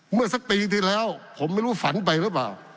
เมื่อสักปีที่แล้วผมไม่รู้ฝันไปหรือเปล่า